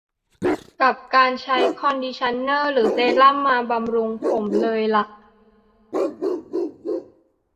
กับการใช้คอนดิชั่นเนอร์หรือเซรั่มมาบำรุงผมเลยล่ะ